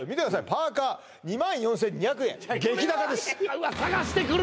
パーカー２４２００円激高です